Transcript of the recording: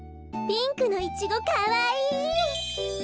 ピンクのイチゴかわいい。